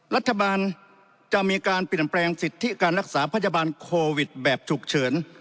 รัฐบาลจะมีการเปลี่ยนแปลงสิทธิการรักษาพยาบาลโควิดแบบฉุกเฉิน